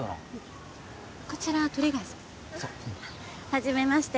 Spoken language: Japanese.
はじめまして。